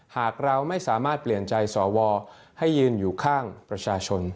หากเราไม่สามารถเปลี่ยนใจสวให้ยืนอยู่ข้างประชาชน